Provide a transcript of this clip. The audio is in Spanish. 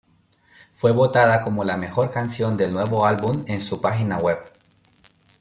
Fue votada como la mejor canción del nuevo álbum en su página web.